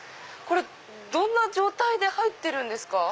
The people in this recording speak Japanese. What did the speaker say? どんな状態で入ってるんですか？